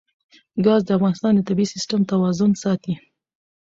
ګاز د افغانستان د طبعي سیسټم توازن ساتي.